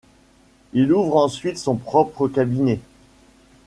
Il ouvre ensuite son propre cabinet.